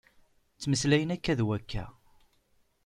Ttmeslayen akka d wakka.